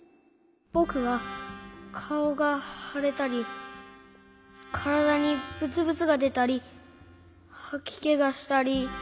ぼくはかおがはれたりからだにブツブツがでたりはきけがしたり。